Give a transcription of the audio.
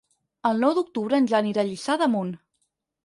El nou d'octubre en Jan irà a Lliçà d'Amunt.